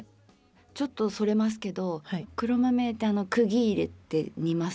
ちょっとそれますけど黒豆ってクギ入れて煮ます？